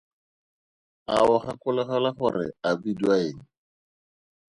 A o gakologelwa gore a bidiwa eng?